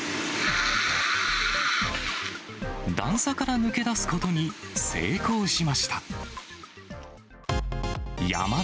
段差から抜け出すことに成功しました。